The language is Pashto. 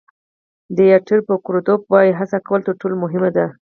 ډایټر فوکودروف وایي هڅه کول تر ټولو مهم دي.